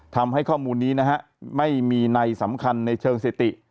ทำให้ข้อมูลนี้นะฮะไม่มีในสำคัญในเชิงสิติ